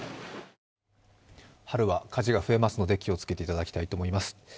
春は火事が増えますので、気をつけていただきたいと思います。